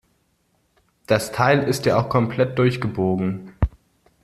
Das Teil ist ja auch komplett durchgebogen.